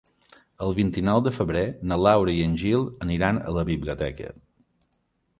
El vint-i-nou de febrer na Laura i en Gil aniran a la biblioteca.